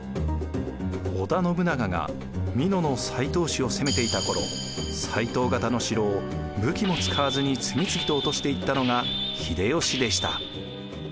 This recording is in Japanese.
織田信長が美濃の斎藤氏を攻めていた頃斎藤方の城を武器も使わずに次々と落としていったのが秀吉でした。